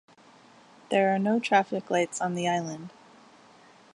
There are no traffic lights on the island.